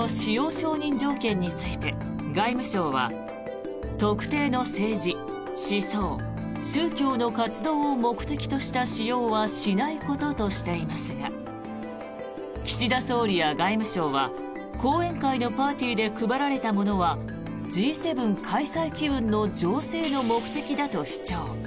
承認条件について外務省は特定の政治、思想、宗教の活動を目的とした使用はしないこととしていますが岸田総理や外務省は後援会のパーティーで配られたものはＧ７開催機運の醸成の目的だと主張。